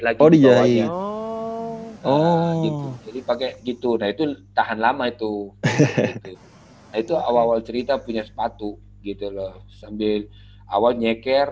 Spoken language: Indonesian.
lagi oh ya oh itu itu tahan lama itu itu awal awal cerita punya sepatu gitu loh sambil awal nyeker